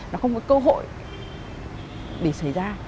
nó không có cơ hội để xảy ra